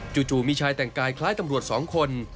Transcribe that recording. จู่มีชายแต่งกายคล้ายตำรวจ๒คน